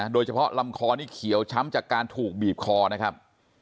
โดยเฉพาะลำคอนี่เขียวช้ำจากการถูกบีบคอนะครับ